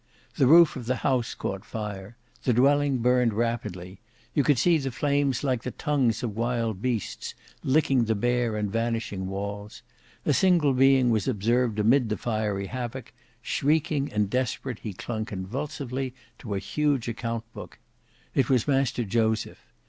The roof of the house caught fire: the dwelling burned rapidly; you could see the flames like the tongues of wild beasts, licking the bare and vanishing walls; a single being was observed amid the fiery havoc, shrieking and desperate he clung convulsively to a huge account book, It was Master Joseph.